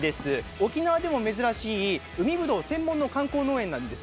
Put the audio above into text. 沖縄では珍しい海ぶどう専門の観光農園なんです。